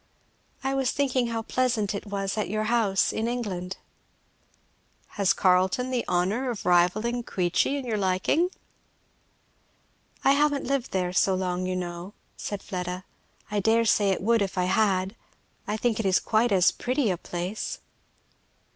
"I was thinking how pleasant it was at your house, in England." "Has Carleton the honour of rivalling Queechy in your liking?" "I haven't lived there so long, you know," said Fleda. "I dare say it would if I had. I think it is quite as pretty a place."